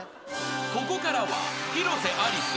［ここからは広瀬アリス。